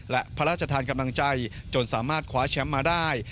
และพระราชทานกำลังใจจนสามารถคว้าแชมป์มาได้